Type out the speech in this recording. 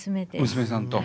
娘さんと。